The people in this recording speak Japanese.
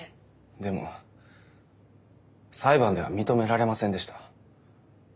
でも裁判では認められませんでした。